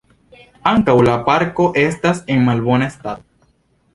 Ankaŭ la parko estas en malbona stato.